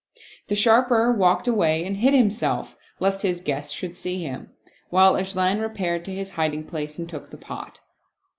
The Sharper walked away and hid himself, lest his guest should see him, while 'Ajlan repaired to his hiding place and took the pot.